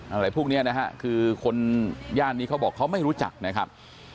อะไรพวกนี้นะฮะคือคนย่านนี้เขาบอกเขาไม่รู้จักนะครับ